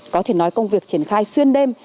có thể nói công việc triển khai xuyên đêm